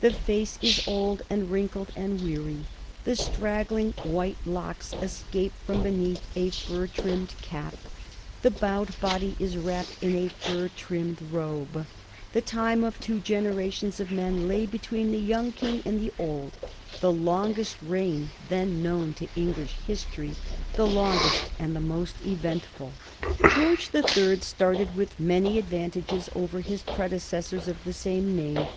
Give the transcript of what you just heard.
The face is old and wrinkled and weary; the straggling white locks escape from beneath a fur trimmed cap; the bowed body is wrapped in a fur trimmed robe. The time of two generations of men lay between the young king and the old; the longest reign then known to English history, the longest and the most eventful. [Sidenote: 1760 George's qualifications for King] George the Third started with many advantages over his predecessors of the same name.